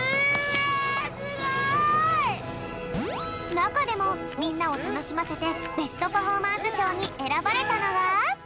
なかでもみんなをたのしませてベストパフォーマンスしょうにえらばれたのが。